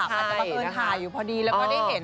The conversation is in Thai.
บังเอิญถ่ายอยู่พอดีแล้วก็ได้เห็น